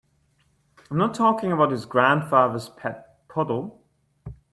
I'm not talking about his grandfather's pet poodle.